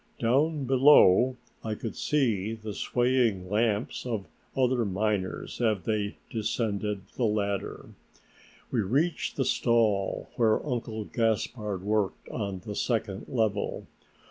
Down below I could see the swaying lamps of other miners as they descended the ladder. We reached the stall where Uncle Gaspard worked on the second level.